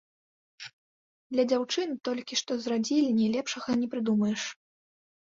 Для дзяўчыны толькі што з радзільні лепшага не прыдумаеш.